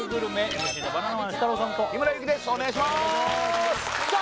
ＭＣのバナナマン設楽統と日村勇紀ですお願いしまーすさあ